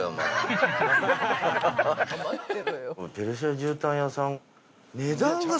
ペルシャじゅうたん屋さん。